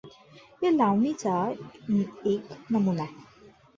या लावणीचा एक नमुना